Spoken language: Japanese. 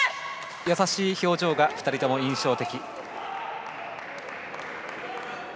優しい表情がふたりとも印象的。